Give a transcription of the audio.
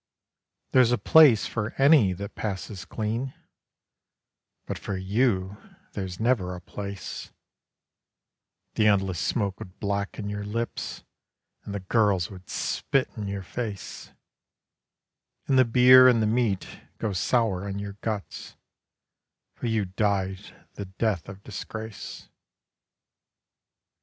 There's a place for any that passes clean but for you there's never a place: The Endless Smoke would blacken your lips, and the Girls would spit in your face; And the Beer and the Meat go sour on your guts for you died the death of disgrace.